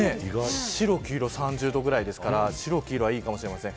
白、黄色は３０度ぐらいですから白、黄色はいいかもしれません。